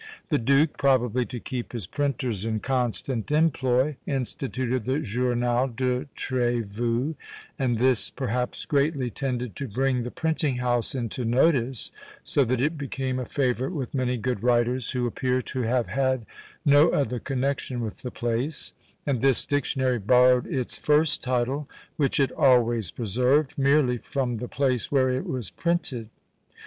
The duke, probably to keep his printers in constant employ, instituted the "Journal de Trévoux;" and this perhaps greatly tended to bring the printing house into notice, so that it became a favourite with many good writers, who appear to have had no other connexion with the place; and this dictionary borrowed its first title, which it always preserved, merely from the place where it was printed.